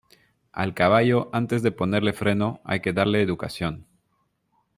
Al caballo, antes de ponerle freno, hay que darle educación.